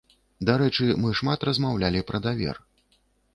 Дарэчы, мы шмат размаўлялі пра давер.